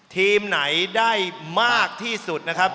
ทีมไหนได้มากที่สุดนะครับ